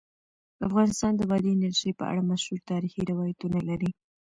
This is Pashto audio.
افغانستان د بادي انرژي په اړه مشهور تاریخی روایتونه لري.